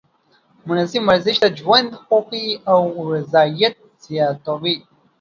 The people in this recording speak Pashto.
منظم ورزش د ژوند خوښۍ او رضایت زیاتوي.